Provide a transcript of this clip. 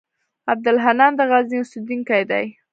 عبدالحنان د غزني اوسېدونکی دی.